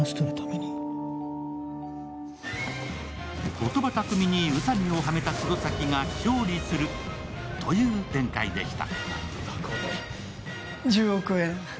言葉巧みに宇佐美をはめた黒崎が勝利するという展開でした。